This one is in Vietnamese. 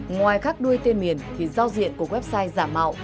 ngoài khác đuôi tên miền thì giao diện của website giả mạo